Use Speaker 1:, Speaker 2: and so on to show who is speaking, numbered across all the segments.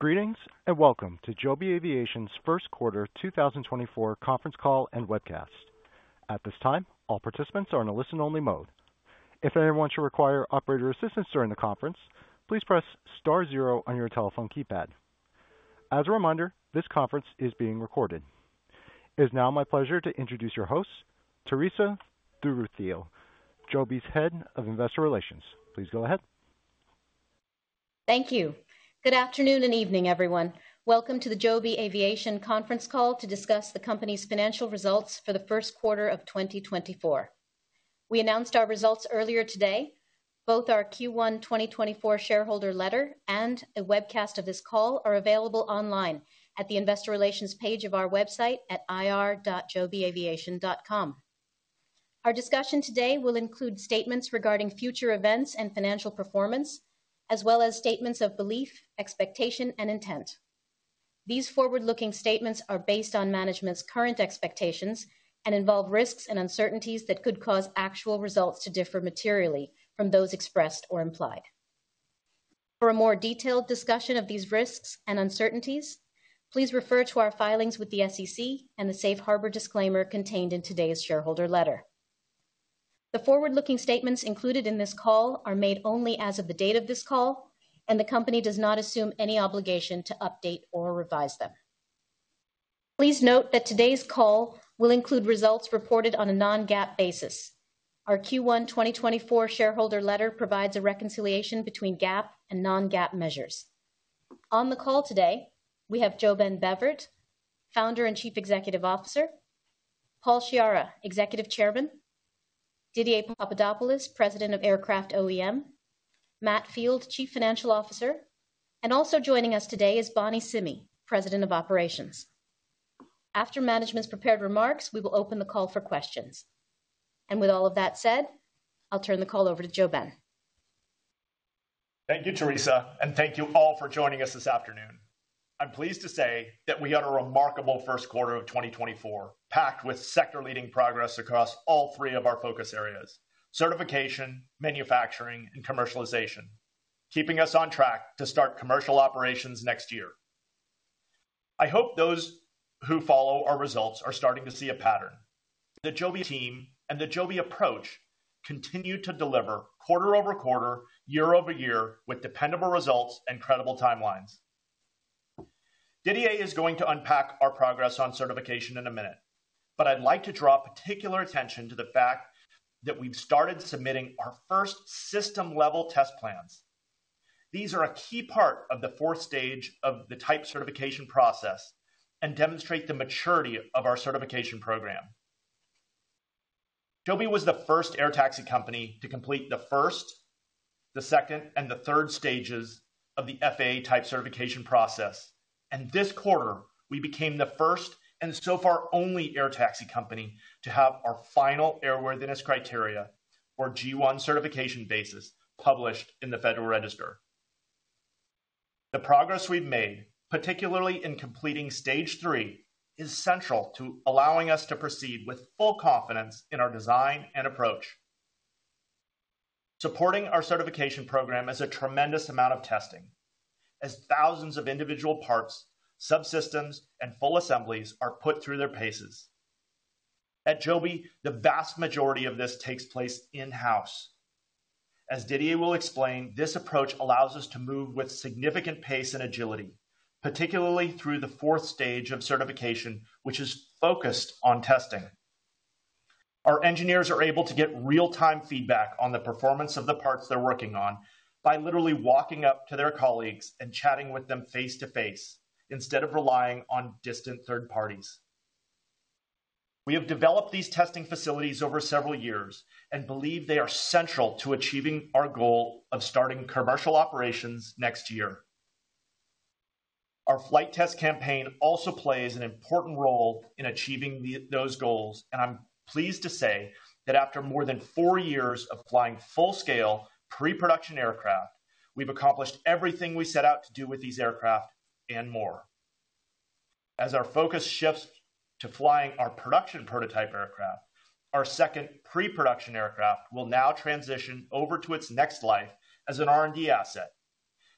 Speaker 1: Greetings, and welcome to Joby Aviation's First Quarter 2024 Conference Call and Webcast. At this time, all participants are on a listen-only mode. If anyone should require operator assistance during the conference, please press star zero on your telephone keypad. As a reminder, this conference is being recorded. It is now my pleasure to introduce your host, Teresa Thuruthiyil, Joby's Head of Investor Relations. Please go ahead.
Speaker 2: Thank you. Good afternoon and evening, everyone. Welcome to the Joby Aviation conference call to discuss the company's financial results for the first quarter of 2024. We announced our results earlier today. Both our Q1 2024 shareholder letter and a webcast of this call are available online at the investor relations page of our website at ir.jobyaviation.com. Our discussion today will include statements regarding future events and financial performance, as well as statements of belief, expectation, and intent. These forward-looking statements are based on management's current expectations and involve risks and uncertainties that could cause actual results to differ materially from those expressed or implied. For a more detailed discussion of these risks and uncertainties, please refer to our filings with the SEC and the Safe Harbor disclaimer contained in today's shareholder letter. The forward-looking statements included in this call are made only as of the date of this call, and the company does not assume any obligation to update or revise them. Please note that today's call will include results reported on a non-GAAP basis. Our Q1 2024 shareholder letter provides a reconciliation between GAAP and non-GAAP measures. On the call today, we have JoeBen Bevirt, Founder and Chief Executive Officer, Paul Sciarra, Executive Chairman, Didier Papadopoulos, President of Aircraft OEM, Matt Field, Chief Financial Officer, and also joining us today is Bonny Simi, President of Operations. After management's prepared remarks, we will open the call for questions. And with all of that said, I'll turn the call over to JoeBen.
Speaker 3: Thank you, Teresa, and thank you all for joining us this afternoon. I'm pleased to say that we had a remarkable first quarter of 2024, packed with sector-leading progress across all three of our focus areas: certification, manufacturing, and commercialization, keeping us on track to start commercial operations next year. I hope those who follow our results are starting to see a pattern. The Joby team and the Joby approach continue to deliver quarter-over-quarter, year-over-year, with dependable results and credible timelines. Didier is going to unpack our progress on certification in a minute, but I'd like to draw particular attention to the fact that we've started submitting our first system-level test plans. These are a key part of the fourth stage of the type certification process and demonstrate the maturity of our certification program. Joby was the first air taxi company to complete the first, the second, and the third stages of the FAA type certification process, and this quarter we became the first, and so far, only air taxi company to have our final airworthiness criteria or G-1 certification basis published in the Federal Register. The progress we've made, particularly in completing stage three, is central to allowing us to proceed with full confidence in our design and approach. Supporting our certification program is a tremendous amount of testing, as thousands of individual parts, subsystems, and full assemblies are put through their paces. At Joby, the vast majority of this takes place in-house. As Didier will explain, this approach allows us to move with significant pace and agility, particularly through the fourth stage of certification, which is focused on testing. Our engineers are able to get real-time feedback on the performance of the parts they're working on by literally walking up to their colleagues and chatting with them face-to-face instead of relying on distant third parties. We have developed these testing facilities over several years and believe they are central to achieving our goal of starting commercial operations next year. Our flight test campaign also plays an important role in achieving those goals, and I'm pleased to say that after more than four years of flying full-scale pre-production aircraft, we've accomplished everything we set out to do with these aircraft and more. As our focus shifts to flying our production prototype aircraft, our second pre-production aircraft will now transition over to its next life as an R&D asset,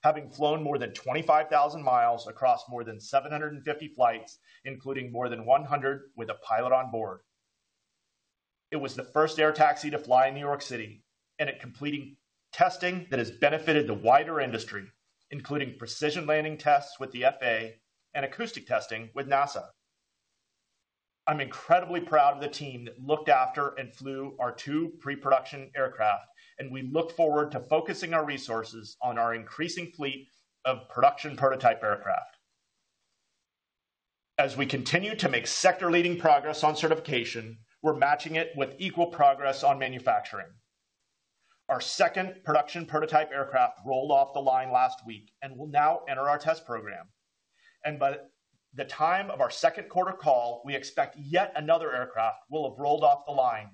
Speaker 3: having flown more than 25,000 mi across more than 750 flights, including more than 100 with a pilot on board. It was the first air taxi to fly in New York City, and it completed testing that has benefited the wider industry, including precision landing tests with the FAA and acoustic testing with NASA. I'm incredibly proud of the team that looked after and flew our two pre-production aircraft, and we look forward to focusing our resources on our increasing fleet of production prototype aircraft. As we continue to make sector-leading progress on certification, we're matching it with equal progress on manufacturing. Our second production prototype aircraft rolled off the line last week and will now enter our test program. By the time of our second quarter call, we expect yet another aircraft will have rolled off the line,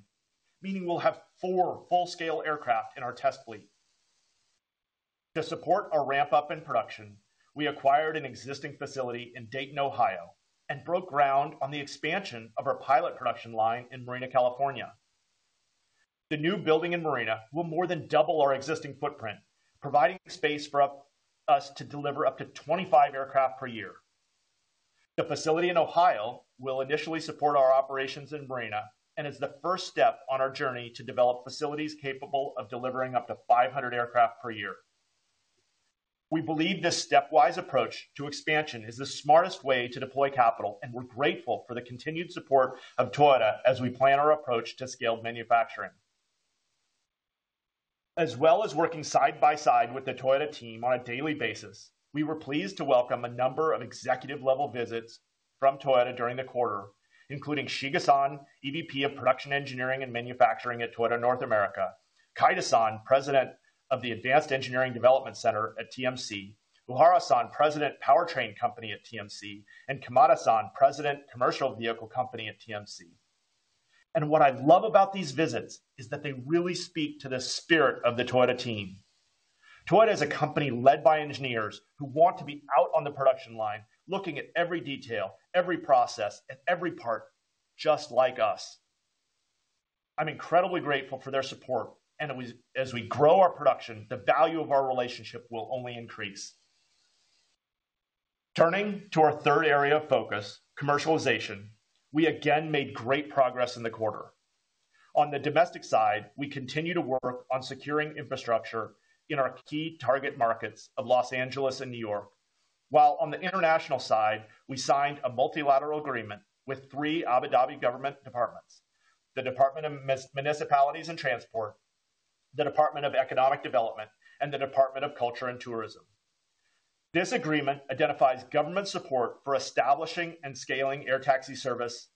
Speaker 3: meaning we'll have four full-scale aircraft in our test fleet. To support our ramp-up in production, we acquired an existing facility in Dayton, Ohio, and broke ground on the expansion of our pilot production line in Marina, California. The new building in Marina will more than double our existing footprint, providing space for us to deliver up to 25 aircraft per year. The facility in Ohio will initially support our operations in Marina, and is the first step on our journey to develop facilities capable of delivering up to 500 aircraft per year. We believe this stepwise approach to expansion is the smartest way to deploy capital, and we're grateful for the continued support of Toyota as we plan our approach to scaled manufacturing. As well as working side by side with the Toyota team on a daily basis, we were pleased to welcome a number of executive-level visits from Toyota during the quarter, including Shiga-san, EVP of Production Engineering and Manufacturing at Toyota North America, Kaida-san, President of the Advanced Engineering Development Center at TMC, Uehara-san, President, Powertrain Company at TMC, and Kamada-san, President, Commercial Vehicle Company at TMC. And what I love about these visits is that they really speak to the spirit of the Toyota team. Toyota is a company led by engineers who want to be out on the production line, looking at every detail, every process, and every part, just like us. I'm incredibly grateful for their support, and as we grow our production, the value of our relationship will only increase. Turning to our third area of focus, commercialization, we again made great progress in the quarter. On the domestic side, we continue to work on securing infrastructure in our key target markets of Los Angeles and New York. While on the international side, we signed a multilateral agreement with three Abu Dhabi government departments: the Department of Municipalities and Transport, the Department of Economic Development, and the Department of Culture and Tourism. This agreement identifies government support for establishing and scaling air taxi service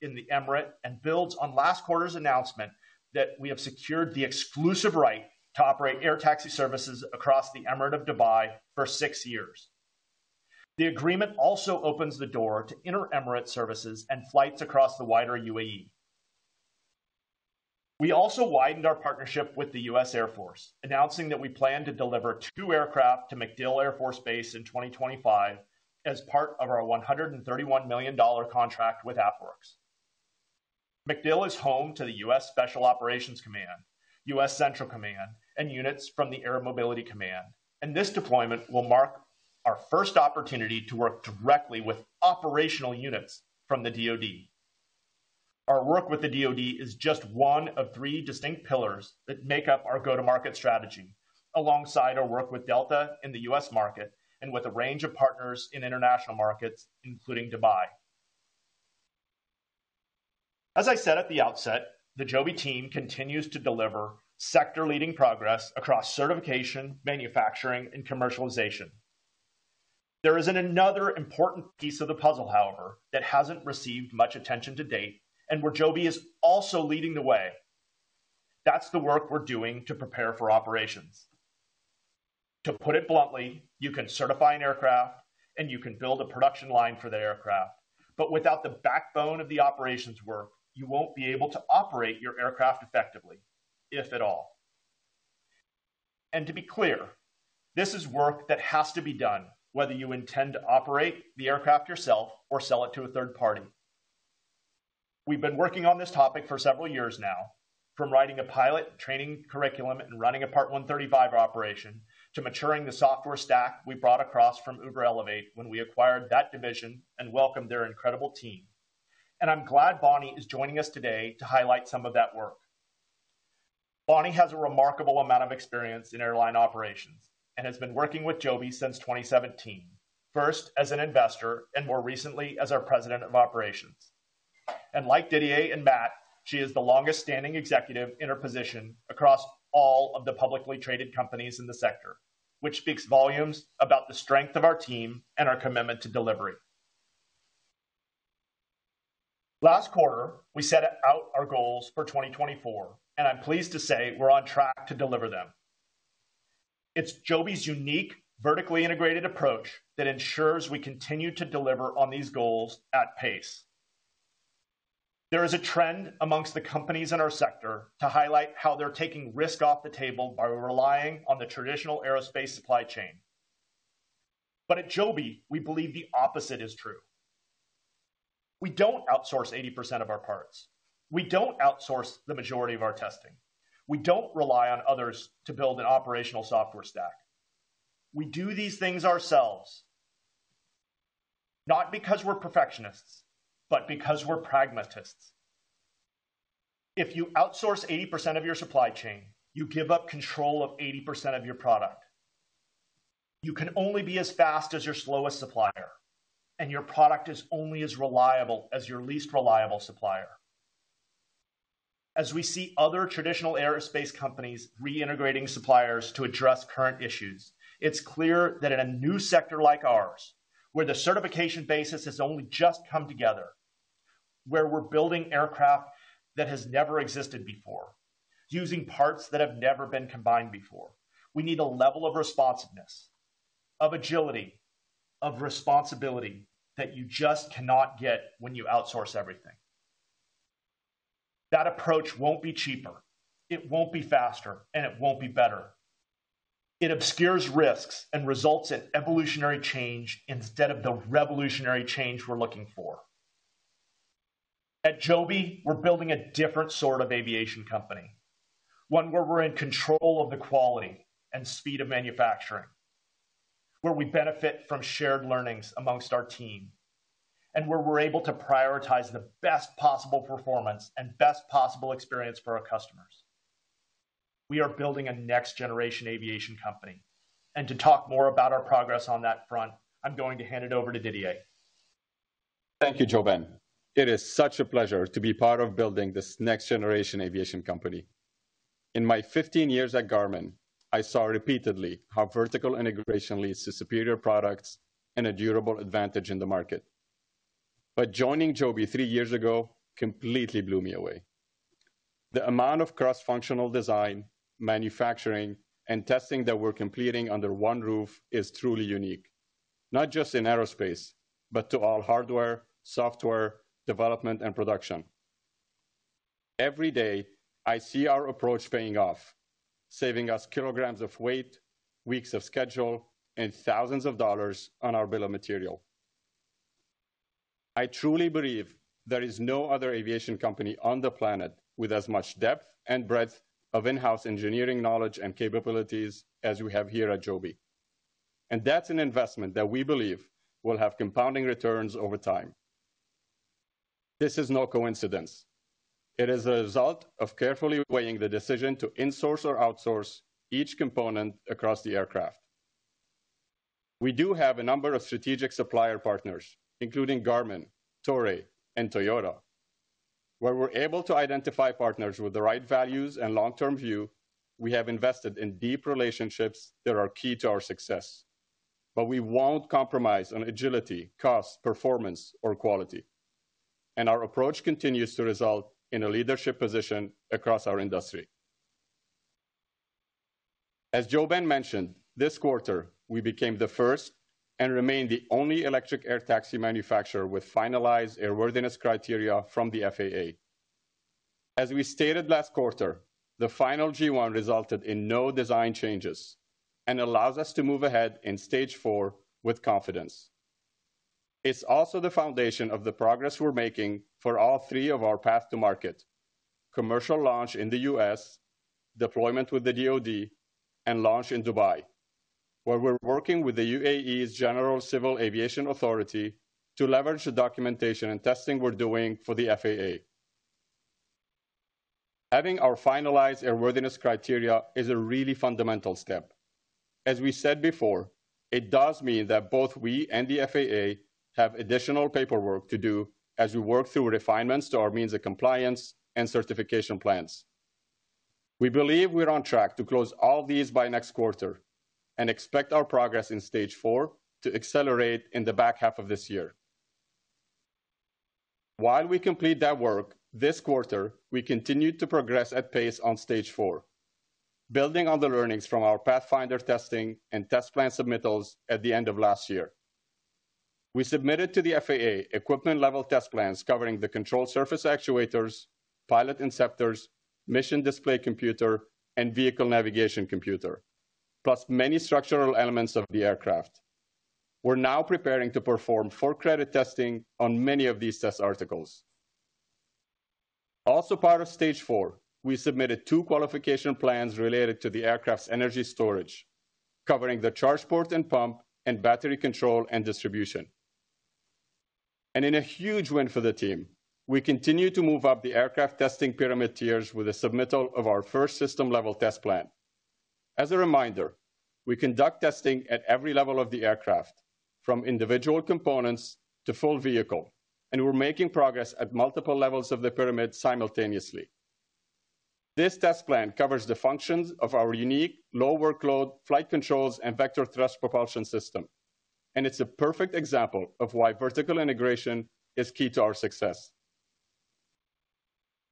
Speaker 3: in the emirate, and builds on last quarter's announcement that we have secured the exclusive right to operate air taxi services across the emirate of Dubai for six years. The agreement also opens the door to inter-emirate services and flights across the wider UAE. We also widened our partnership with the U.S. Air Force, announcing that we plan to deliver two aircraft to MacDill Air Force Base in 2025 as part of our $131 million contract with AFWERX. MacDill is home to the U.S. Special Operations Command, U.S. Central Command, and units from the Air Mobility Command, and this deployment will mark our first opportunity to work directly with operational units from the DoD. Our work with the DoD is just one of three distinct pillars that make up our go-to-market strategy, alongside our work with Delta in the U.S. market and with a range of partners in international markets, including Dubai. As I said at the outset, the Joby team continues to deliver sector-leading progress across certification, manufacturing, and commercialization. There is another important piece of the puzzle, however, that hasn't received much attention to date, and where Joby is also leading the way. That's the work we're doing to prepare for operations. To put it bluntly, you can certify an aircraft and you can build a production line for the aircraft, but without the backbone of the operations work, you won't be able to operate your aircraft effectively, if at all. To be clear, this is work that has to be done, whether you intend to operate the aircraft yourself or sell it to a third party. We've been working on this topic for several years now, from writing a pilot training curriculum and running a Part 135 operation, to maturing the software stack we brought across from Uber Elevate when we acquired that division and welcomed their incredible team. I'm glad Bonny is joining us today to highlight some of that work. Bonny has a remarkable amount of experience in airline operations and has been working with Joby since 2017, first as an investor, and more recently as our President of Operations. And like Didier and Matt, she is the longest-standing executive in her position across all of the publicly traded companies in the sector, which speaks volumes about the strength of our team and our commitment to delivery. Last quarter, we set out our goals for 2024, and I'm pleased to say we're on track to deliver them. It's Joby's unique, vertically integrated approach that ensures we continue to deliver on these goals at pace. There is a trend amongst the companies in our sector to highlight how they're taking risk off the table by relying on the traditional aerospace supply chain. But at Joby, we believe the opposite is true. We don't outsource 80% of our parts. We don't outsource the majority of our testing. We don't rely on others to build an operational software stack. We do these things ourselves, not because we're perfectionists, but because we're pragmatists. If you outsource 80% of your supply chain, you give up control of 80% of your product. You can only be as fast as your slowest supplier, and your product is only as reliable as your least reliable supplier. As we see other traditional aerospace companies reintegrating suppliers to address current issues, it's clear that in a new sector like ours, where the certification basis has only just come together, where we're building aircraft that has never existed before, using parts that have never been combined before, we need a level of responsiveness, of agility, of responsibility that you just cannot get when you outsource everything. That approach won't be cheaper, it won't be faster, and it won't be better.... It obscures risks and results in evolutionary change instead of the revolutionary change we're looking for. At Joby, we're building a different sort of aviation company, one where we're in control of the quality and speed of manufacturing, where we benefit from shared learnings amongst our team, and where we're able to prioritize the best possible performance and best possible experience for our customers. We are building a next-generation aviation company, and to talk more about our progress on that front, I'm going to hand it over to Didier.
Speaker 4: Thank you, JoeBen. It is such a pleasure to be part of building this next-generation aviation company. In my 15 years at Garmin, I saw repeatedly how vertical integration leads to superior products and a durable advantage in the market. But joining Joby three years ago completely blew me away. The amount of cross-functional design, manufacturing, and testing that we're completing under one roof is truly unique, not just in aerospace, but to all hardware, software, development, and production. Every day, I see our approach paying off, saving us kilograms of weight, weeks of schedule, and thousands of dollars on our bill of material. I truly believe there is no other aviation company on the planet with as much depth and breadth of in-house engineering knowledge and capabilities as we have here at Joby, and that's an investment that we believe will have compounding returns over time. This is no coincidence. It is a result of carefully weighing the decision to insource or outsource each component across the aircraft. We do have a number of strategic supplier partners, including Garmin, Toray, and Toyota, where we're able to identify partners with the right values and long-term view, we have invested in deep relationships that are key to our success. But we won't compromise on agility, cost, performance, or quality, and our approach continues to result in a leadership position across our industry. As JoeBen mentioned, this quarter, we became the first and remained the only electric air taxi manufacturer with finalized airworthiness criteria from the FAA. As we stated last quarter, the final G-1 resulted in no design changes and allows us to move ahead in Stage Four with confidence. It's also the foundation of the progress we're making for all three of our path to market: commercial launch in the U.S., deployment with the DoD, and launch in Dubai, where we're working with the UAE's General Civil Aviation Authority to leverage the documentation and testing we're doing for the FAA. Having our finalized airworthiness criteria is a really fundamental step. As we said before, it does mean that both we and the FAA have additional paperwork to do as we work through refinements to our means of compliance and certification plans. We believe we're on track to close all these by next quarter and expect our progress in Stage Four to accelerate in the back half of this year. While we complete that work, this quarter, we continued to progress at pace on Stage Four, building on the learnings from our Pathfinder testing and test plan submittals at the end of last year. We submitted to the FAA equipment-level test plans covering the control surface actuators, pilot inceptors, mission display computer, and vehicle navigation computer, plus many structural elements of the aircraft. We're now preparing to perform for-credit testing on many of these test articles. Also part of Stage Four, we submitted two qualification plans related to the aircraft's energy storage, covering the charge port and pump and battery control and distribution. In a huge win for the team, we continue to move up the aircraft testing pyramid tiers with a submittal of our first system-level test plan. As a reminder, we conduct testing at every level of the aircraft, from individual components to full vehicle, and we're making progress at multiple levels of the pyramid simultaneously. This test plan covers the functions of our unique low workload, flight controls, and vector thrust propulsion system, and it's a perfect example of why vertical integration is key to our success.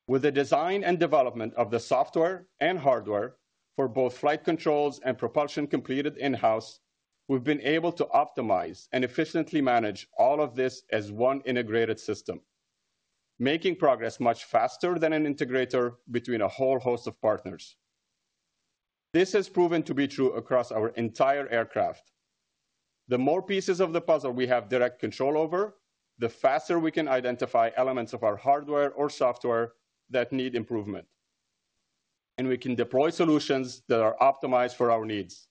Speaker 4: With the design and development of the software and hardware for both flight controls and propulsion completed in-house, we've been able to optimize and efficiently manage all of this as one integrated system, making progress much faster than an integrator between a whole host of partners. This has proven to be true across our entire aircraft. The more pieces of the puzzle we have direct control over, the faster we can identify elements of our hardware or software that need improvement, and we can deploy solutions that are optimized for our needs.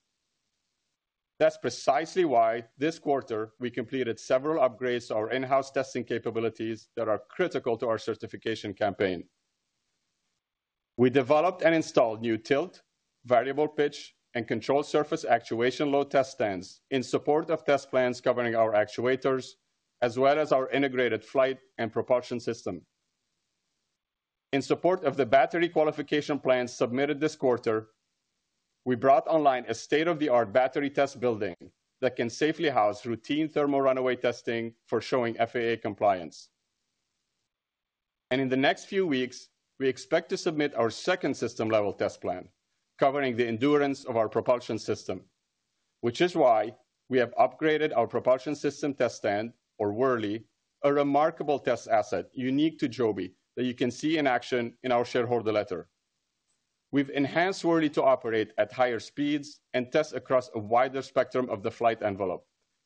Speaker 4: That's precisely why, this quarter, we completed several upgrades to our in-house testing capabilities that are critical to our certification campaign. We developed and installed new tilt, variable pitch, and control surface actuation load test stands in support of test plans covering our actuators, as well as our integrated flight and propulsion system. In support of the battery qualification plans submitted this quarter, we brought online a state-of-the-art battery test building that can safely house routine thermal runaway testing for showing FAA compliance. In the next few weeks, we expect to submit our second system-level test plan, covering the endurance of our propulsion system. Which is why we have upgraded our propulsion system test stand, or Whirly, a remarkable test asset unique to Joby, that you can see in action in our shareholder letter. We've enhanced Whirly to operate at higher speeds and test across a wider spectrum of the flight envelope,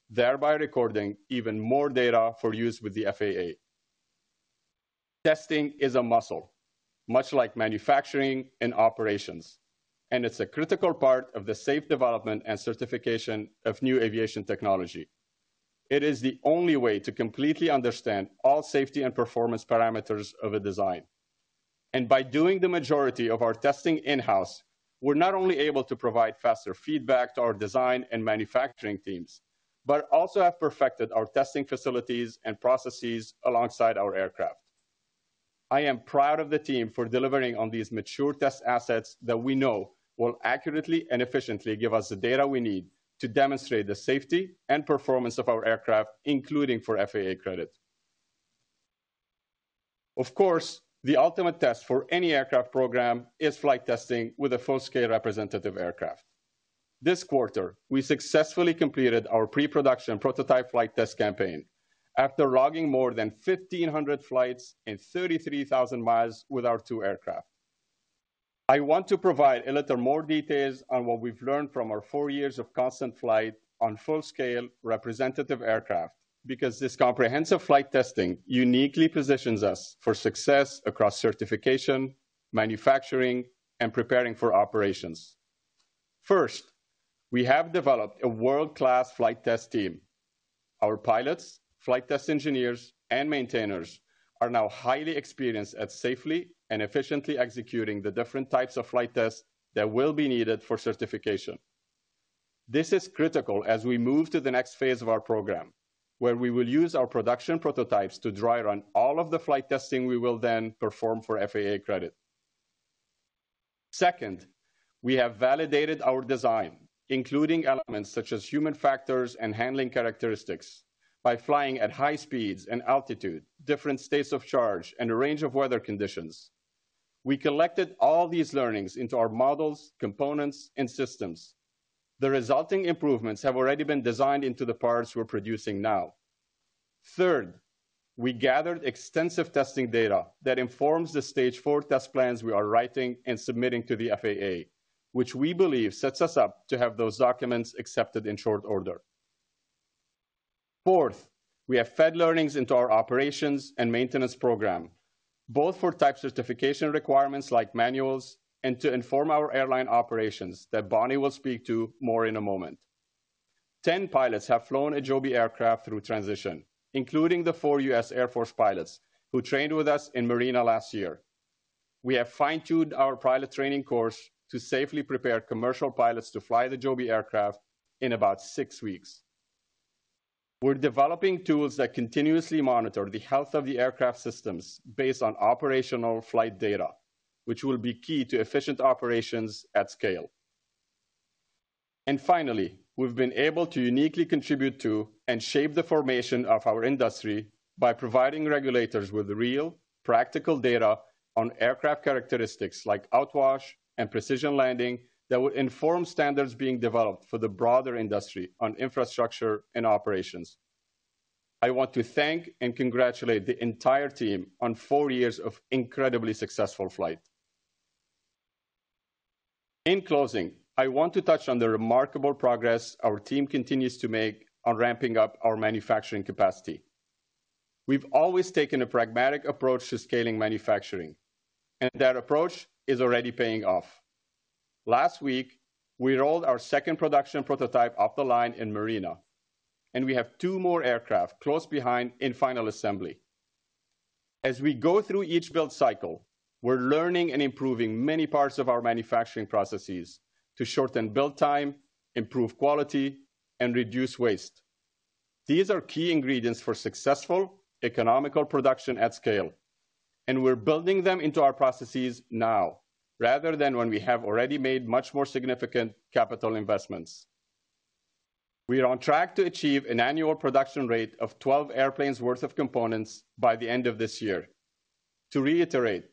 Speaker 4: thereby recording even more data for use with the FAA. Testing is a muscle, much like manufacturing and operations, and it's a critical part of the safe development and certification of new aviation technology. It is the only way to completely understand all safety and performance parameters of a design. And by doing the majority of our testing in-house, we're not only able to provide faster feedback to our design and manufacturing teams, but also have perfected our testing facilities and processes alongside our aircraft. I am proud of the team for delivering on these mature test assets that we know will accurately and efficiently give us the data we need to demonstrate the safety and performance of our aircraft, including for FAA credit. Of course, the ultimate test for any aircraft program is flight testing with a full-scale representative aircraft. This quarter, we successfully completed our pre-production prototype flight test campaign after logging more than 1,500 flights and 33,000 mi with our two aircraft. I want to provide a little more details on what we've learned from our four years of constant flight on full-scale representative aircraft, because this comprehensive flight testing uniquely positions us for success across certification, manufacturing, and preparing for operations. First, we have developed a world-class flight test team. Our pilots, flight test engineers, and maintainers are now highly experienced at safely and efficiently executing the different types of flight tests that will be needed for certification. This is critical as we move to the next phase of our program, where we will use our production prototypes to dry run all of the flight testing we will then perform for FAA credit. Second, we have validated our design, including elements such as human factors and handling characteristics, by flying at high speeds and altitude, different states of charge, and a range of weather conditions. We collected all these learnings into our models, components, and systems. The resulting improvements have already been designed into the parts we're producing now. Third, we gathered extensive testing data that informs the Stage Four test plans we are writing and submitting to the FAA, which we believe sets us up to have those documents accepted in short order. Fourth, we have fed learnings into our operations and maintenance program, both for type certification requirements like manuals and to inform our airline operations that Bonny will speak to more in a moment. 10 pilots have flown a Joby aircraft through transition, including the four U.S. Air Force pilots who trained with us in Marina last year. We have fine-tuned our pilot training course to safely prepare commercial pilots to fly the Joby aircraft in about six weeks. We're developing tools that continuously monitor the health of the aircraft systems based on operational flight data, which will be key to efficient operations at scale. And finally, we've been able to uniquely contribute to and shape the formation of our industry by providing regulators with real, practical data on aircraft characteristics like outwash and precision landing that will inform standards being developed for the broader industry on infrastructure and operations. I want to thank and congratulate the entire team on four years of incredibly successful flight. In closing, I want to touch on the remarkable progress our team continues to make on ramping up our manufacturing capacity. We've always taken a pragmatic approach to scaling manufacturing, and that approach is already paying off. Last week, we rolled our second production prototype off the line in Marina, and we have two more aircraft close behind in final assembly. As we go through each build cycle, we're learning and improving many parts of our manufacturing processes to shorten build time, improve quality, and reduce waste. These are key ingredients for successful, economical production at scale, and we're building them into our processes now, rather than when we have already made much more significant capital investments. We are on track to achieve an annual production rate of 12 airplanes worth of components by the end of this year. To reiterate,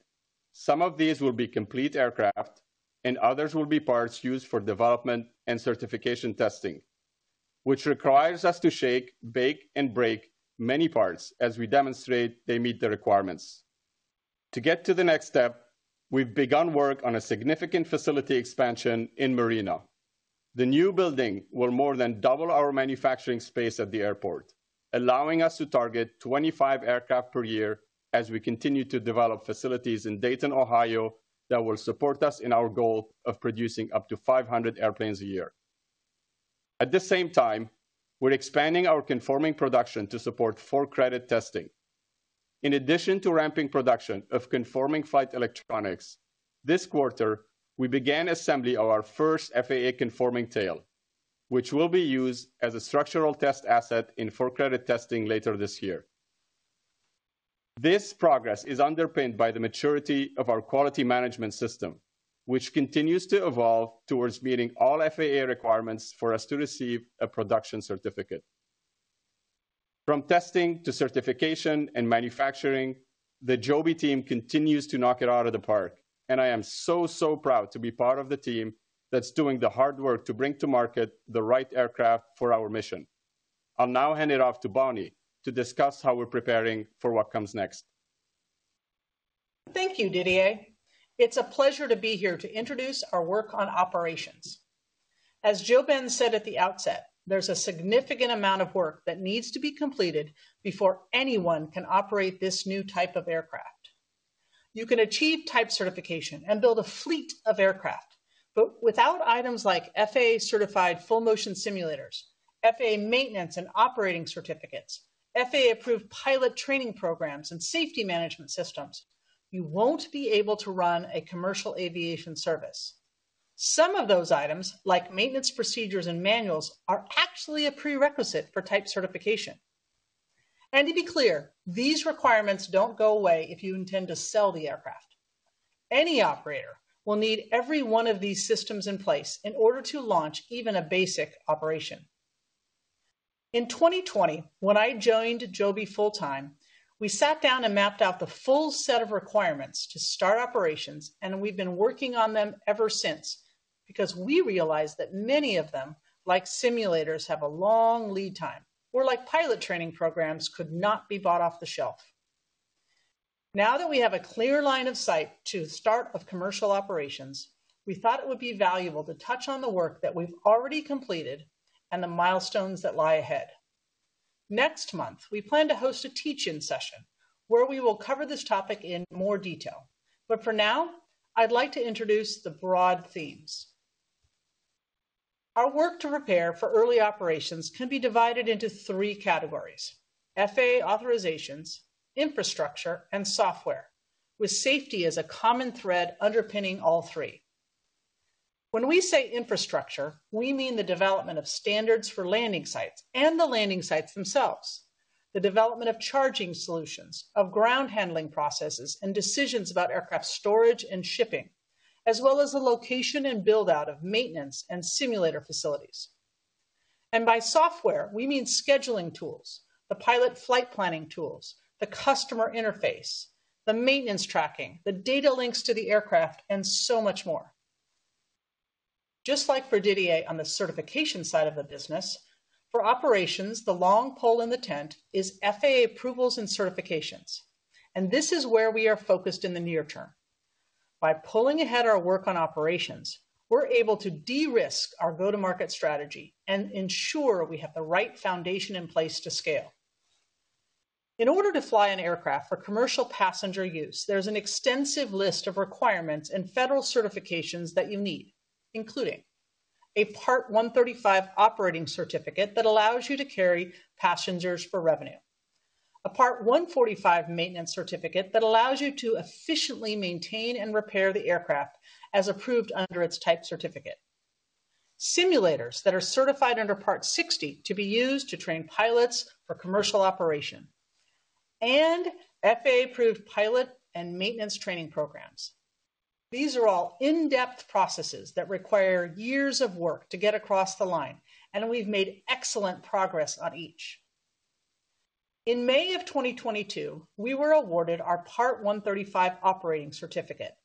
Speaker 4: some of these will be complete aircraft and others will be parts used for development and certification testing, which requires us to shake, bake, and break many parts as we demonstrate they meet the requirements. To get to the next step, we've begun work on a significant facility expansion in Marina. The new building will more than double our manufacturing space at the airport, allowing us to target 25 aircraft per year as we continue to develop facilities in Dayton, Ohio, that will support us in our goal of producing up to 500 airplanes a year. At the same time, we're expanding our conforming production to support full credit testing. In addition to ramping production of conforming flight electronics, this quarter, we began assembly of our first FAA-conforming tail, which will be used as a structural test asset in full credit testing later this year. This progress is underpinned by the maturity of our quality management system, which continues to evolve towards meeting all FAA requirements for us to receive a Production Certificate. From testing to certification and manufacturing, the Joby team continues to knock it out of the park, and I am so, so proud to be part of the team that's doing the hard work to bring to market the right aircraft for our mission. I'll now hand it off to Bonny to discuss how we're preparing for what comes next.
Speaker 5: Thank you, Didier. It's a pleasure to be here to introduce our work on operations. As JoeBen said at the outset, there's a significant amount of work that needs to be completed before anyone can operate this new type of aircraft. You can achieve type certification and build a fleet of aircraft, but without items like FAA-certified full-motion simulators, FAA maintenance and operating certificates, FAA-approved pilot training programs, and safety management systems, you won't be able to run a commercial aviation service. Some of those items, like maintenance procedures and manuals, are actually a prerequisite for type certification. To be clear, these requirements don't go away if you intend to sell the aircraft. Any operator will need every one of these systems in place in order to launch even a basic operation. In 2020, when I joined Joby full-time, we sat down and mapped out the full set of requirements to start operations, and we've been working on them ever since because we realized that many of them, like simulators, have a long lead time, or like pilot training programs, could not be bought off the shelf. Now that we have a clear line of sight to the start of commercial operations, we thought it would be valuable to touch on the work that we've already completed and the tones that lie ahead. Next month, we plan to host a teach-in session, where we will cover this topic in more detail. But for now, I'd like to introduce the broad themes. Our work to prepare for early operations can be divided into three categories: FAA authorizations, infrastructure, and software, with safety as a common thread underpinning all three. When we say infrastructure, we mean the development of standards for landing sites and the landing sites themselves, the development of charging solutions, of ground handling processes, and decisions about aircraft storage and shipping, as well as the location and build-out of maintenance and simulator facilities. By software, we mean scheduling tools, the pilot flight planning tools, the customer interface, the maintenance tracking, the data links to the aircraft, and so much more. Just like for Didier on the certification side of the business, for operations, the long pole in the tent is FAA approvals and certifications, and this is where we are focused in the near term. By pulling ahead our work on operations, we're able to de-risk our go-to-market strategy and ensure we have the right foundation in place to scale. In order to fly an aircraft for commercial passenger use, there's an extensive list of requirements and federal certifications that you need, including a Part 135 operating certificate that allows you to carry passengers for revenue, a Part 145 maintenance certificate that allows you to efficiently maintain and repair the aircraft as approved under its type certificate, simulators that are certified under Part 60 to be used to train pilots for commercial operation, and FAA-approved pilot and maintenance training programs. These are all in-depth processes that require years of work to get across the line, and we've made excellent progress on each. In May of 2022, we were awarded our Part 135 operating certificate,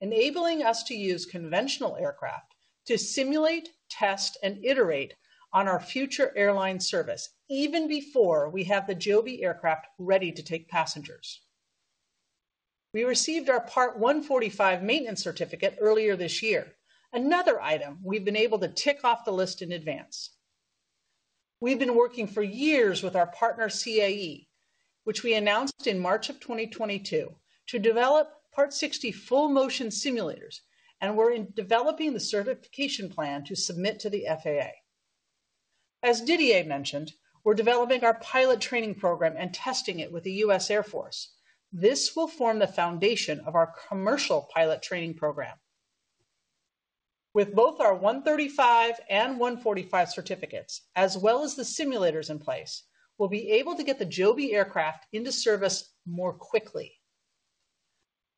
Speaker 5: enabling us to use conventional aircraft to simulate, test, and iterate on our future airline service even before we have the Joby aircraft ready to take passengers. We received our Part 145 maintenance certificate earlier this year, another item we've been able to tick off the list in advance. We've been working for years with our partner, CAE, which we announced in March 2022, to develop Part 60 full-motion simulators, and we're in developing the certification plan to submit to the FAA. As Didier mentioned, we're developing our pilot training program and testing it with the U.S. Air Force. This will form the foundation of our commercial pilot training program. With both our Part 135 and Part 145 certificates, as well as the simulators in place, we'll be able to get the Joby aircraft into service more quickly.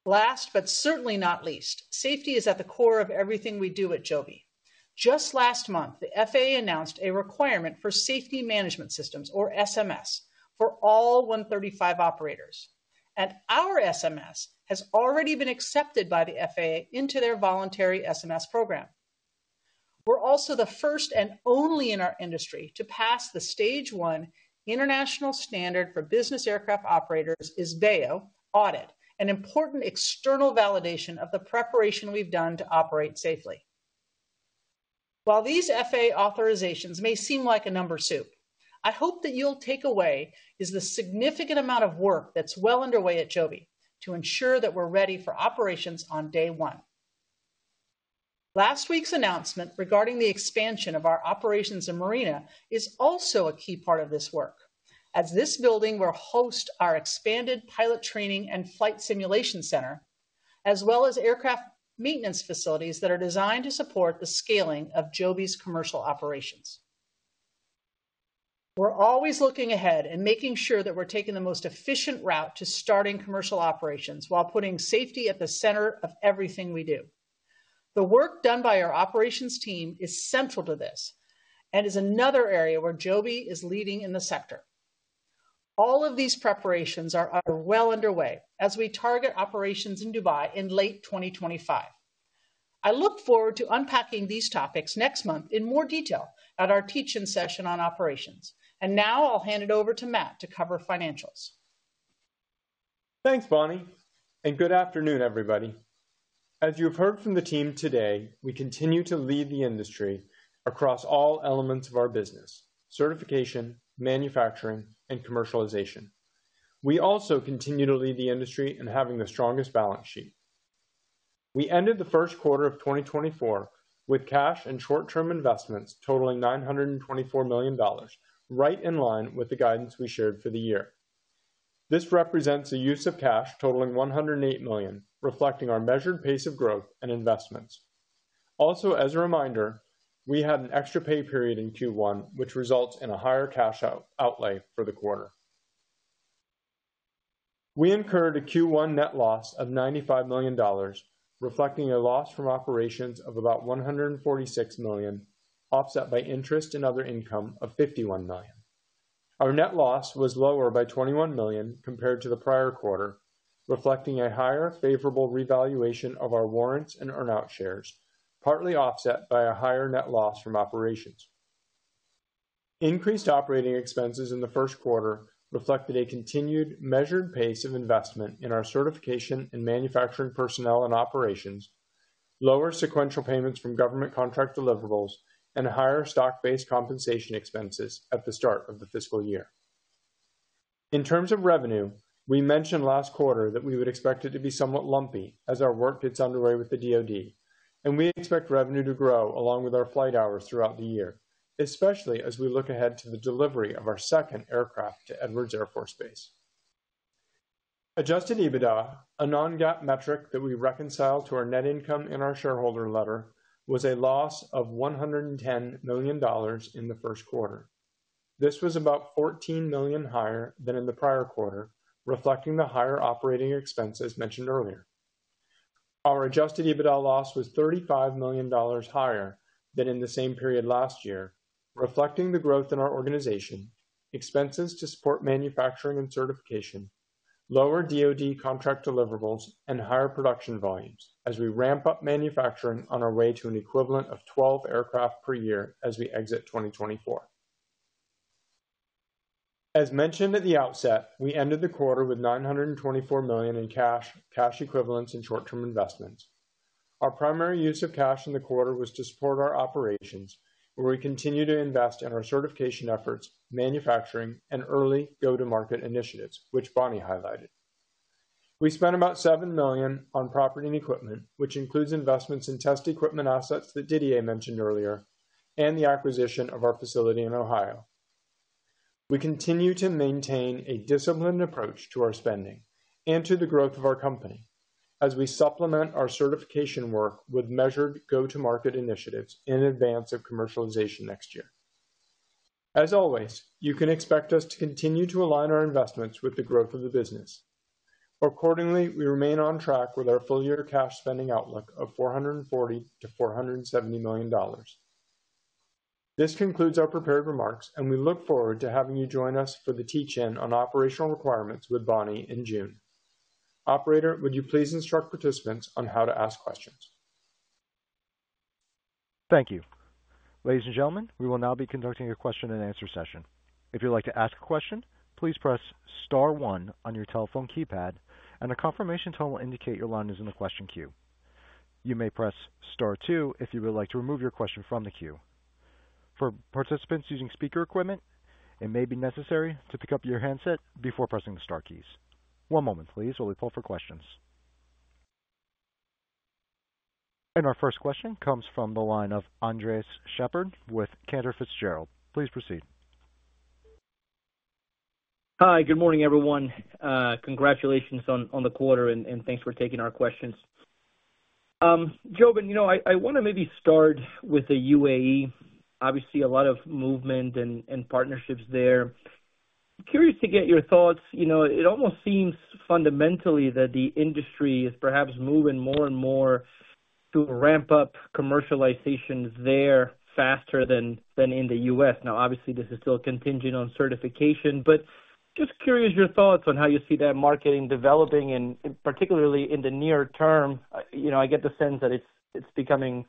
Speaker 5: Last, but certainly not least, safety is at the core of everything we do at Joby. Just last month, the FAA announced a requirement for safety management systems, or SMS, for all Part 135 operators, and our SMS has already been accepted by the FAA into their voluntary SMS program. We're also the first and only in our industry to pass the Stage 1 international standard for business aircraft operators, IS-BAO audit, an important external validation of the preparation we've done to operate safely. While these FAA authorizations may seem like a number soup, I hope that you'll take away is the significant amount of work that's well underway at Joby to ensure that we're ready for operations on day one. Last week's announcement regarding the expansion of our operations in Marina is also a key part of this work, as this building will host our expanded pilot training and flight simulation center, as well as aircraft maintenance facilities that are designed to support the scaling of Joby's commercial operations. We're always looking ahead and making sure that we're taking the most efficient route to starting commercial operations while putting safety at the center of everything we do... The work done by our operations team is central to this and is another area where Joby is leading in the sector. All of these preparations are well underway as we target operations in Dubai in late 2025. I look forward to unpacking these topics next month in more detail at our teach-in session on operations. And now I'll hand it over to Matt to cover financials.
Speaker 6: Thanks, Bonny, and good afternoon, everybody. As you have heard from the team today, we continue to lead the industry across all elements of our business: certification, manufacturing, and commercialization. We also continue to lead the industry in having the strongest balance sheet. We ended the first quarter of 2024 with cash and short-term investments totaling $924 million, right in line with the guidance we shared for the year. This represents a use of cash totaling $108 million, reflecting our measured pace of growth and investments. Also, as a reminder, we had an extra pay period in Q1, which results in a higher cash outlay for the quarter. We incurred a Q1 net loss of $95 million, reflecting a loss from operations of about $146 million, offset by interest and other income of $51 million. Our net loss was lower by $21 million compared to the prior quarter, reflecting a higher favorable revaluation of our warrants and earn out shares, partly offset by a higher net loss from operations. Increased operating expenses in the first quarter reflected a continued measured pace of investment in our certification and manufacturing personnel and operations, lower sequential payments from government contract deliverables, and higher stock-based compensation expenses at the start of the fiscal year. In terms of revenue, we mentioned last quarter that we would expect it to be somewhat lumpy as our work gets underway with the DoD, and we expect revenue to grow along with our flight hours throughout the year, especially as we look ahead to the delivery of our second aircraft to Edwards Air Force Base. Adjusted EBITDA, a non-GAAP metric that we reconcile to our net income in our shareholder letter, was a loss of $110 million in the first quarter. This was about $14 million higher than in the prior quarter, reflecting the higher operating expenses mentioned earlier. Our adjusted EBITDA loss was $35 million higher than in the same period last year, reflecting the growth in our organization, expenses to support manufacturing and certification, lower DoD contract deliverables, and higher production volumes as we ramp up manufacturing on our way to an equivalent of 12 aircraft per year as we exit 2024. As mentioned at the outset, we ended the quarter with $924 million in cash, cash equivalents, and short-term investments. Our primary use of cash in the quarter was to support our operations, where we continue to invest in our certification efforts, manufacturing, and early go-to-market initiatives, which Bonny highlighted. We spent about $7 million on property and equipment, which includes investments in test equipment assets that Didier mentioned earlier, and the acquisition of our facility in Ohio. We continue to maintain a disciplined approach to our spending and to the growth of our company as we supplement our certification work with measured go-to-market initiatives in advance of commercialization next year. As always, you can expect us to continue to align our investments with the growth of the business. Accordingly, we remain on track with our full-year cash spending outlook of $440 million-$470 million. This concludes our prepared remarks, and we look forward to having you join us for the teach-in on operational requirements with Bonny in June. Operator, would you please instruct participants on how to ask questions?
Speaker 1: Thank you. Ladies and gentlemen, we will now be conducting a question-and-answer session. If you'd like to ask a question, please press star one on your telephone keypad, and a confirmation tone will indicate your line is in the question queue. You may press star two if you would like to remove your question from the queue. For participants using speaker equipment, it may be necessary to pick up your handset before pressing the star keys. One moment, please, while we pull for questions. And our first question comes from the line of Andres Sheppard with Cantor Fitzgerald. Please proceed.
Speaker 7: Hi, good morning, everyone. Congratulations on the quarter, and thanks for taking our questions. JoeBen, you know, I want to maybe start with the UAE. Obviously, a lot of movement and partnerships there. Curious to get your thoughts. You know, it almost seems fundamentally that the industry is perhaps moving more and more to ramp up commercialization's there faster than in the U.S. Now, obviously, this is still contingent on certification, but just curious your thoughts on how you see that marketing developing, and particularly in the near term. You know, I get the sense that it's becoming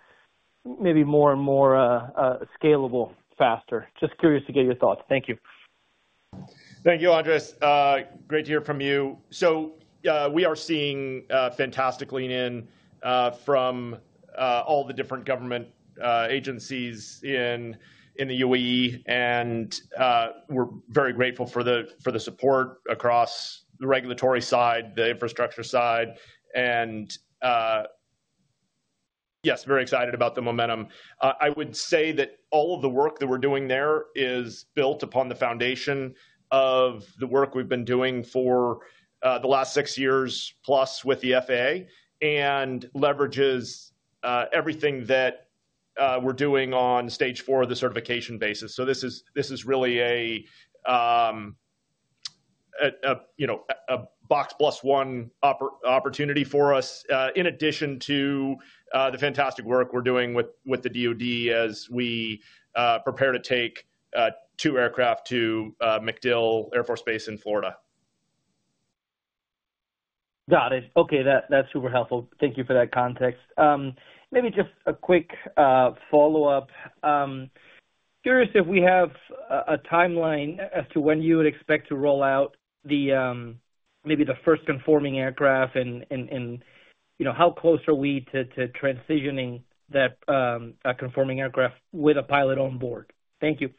Speaker 7: maybe more and more scalable faster. Just curious to get your thoughts. Thank you.
Speaker 3: Thank you, Andres. Great to hear from you. So, we are seeing fantastic lean in from all the different government agencies in the UAE, and we're very grateful for the support across the regulatory side, the infrastructure side, and yes, very excited about the momentum. I would say that all of the work that we're doing there is built upon the foundation of the work we've been doing for the last six years plus with the FAA, and leverages everything that we're doing on stage four of the certification basis. So this is really a... You know, a box plus one opportunity for us, in addition to the fantastic work we're doing with the DOD as we prepare to take two aircraft to MacDill Air Force Base in Florida.
Speaker 7: Got it. Okay, that, that's super helpful. Thank you for that context. Maybe just a quick follow-up. Curious if we have a timeline as to when you would expect to roll out the maybe the first conforming aircraft and, and, and, you know, how close are we to transitioning that conforming aircraft with a pilot on board? Thank you.